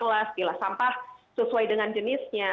bisa kelas bila sampah sesuai dengan jenisnya